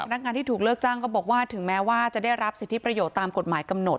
นักงานที่ถูกเลิกจ้างก็บอกว่าถึงแม้ว่าจะได้รับสิทธิประโยชน์ตามกฎหมายกำหนด